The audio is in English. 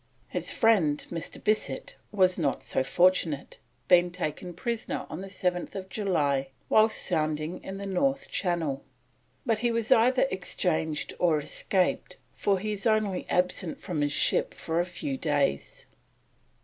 His friend, Mr. Bissett, was not so fortunate, being taken prisoner on 7th July whilst sounding in the north channel; but he was either exchanged or escaped, for he was only absent from his ship for a few days.